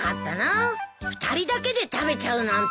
２人だけで食べちゃうなんてずるいよ。